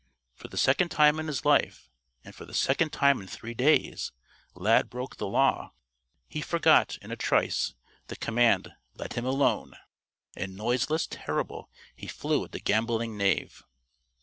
For the second time in his life and for the second time in three days Lad broke the law. He forgot, in a trice, the command "Let him alone!" And noiseless, terrible, he flew at the gamboling Knave.